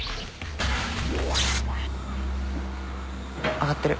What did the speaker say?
上がってる。